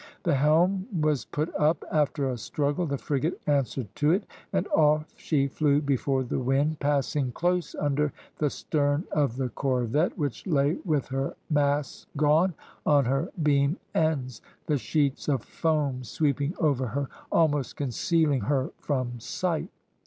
The helm was put up. After a struggle the frigate answered to it, and off she flew before the wind, passing close under the stern of the corvette, which lay with her masts gone, on her beam ends, the sheets of foam sweeping over her, almost concealing her from sight.